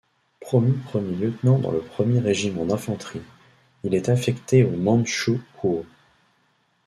Promu premier lieutenant dans le premier régiment d'infanterie, il est affecté au Mandchoukouo.